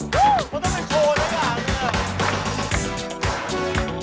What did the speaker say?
เขาต้องไปโชว์หน้าอย่างนี้